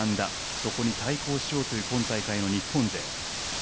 そこに対抗しようという今大会の日本勢。